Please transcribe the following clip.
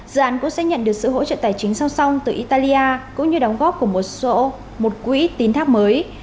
dự án cũng sẽ nhận được sự hỗ trợ tài chính song song từ italia cũng như đóng góp của một số một quỹ tín thác mới